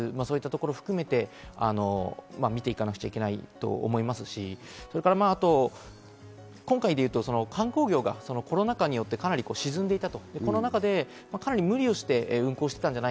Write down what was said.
企業の体質、経営陣の体質、そういったところ含めて見ていかなくちゃいけないと思いますし、今回で言うと観光業がコロナ禍によって、かなり沈んでいたと。